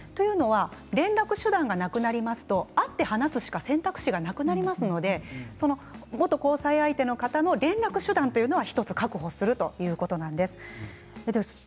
連絡手段がなくなりますと会って話すしか選択肢がなくなりますので元交際相手の方の連絡手段というのは１つ確保するということです。